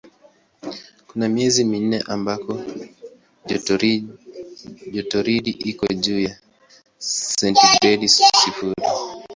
Kuna miezi minne ambako jotoridi iko juu ya sentigredi sifuri.